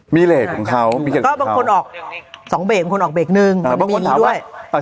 มีเลสของเขาก็บางคนออก๒เบรกบางคนออกเบรกหนึ่งบางคนด้วย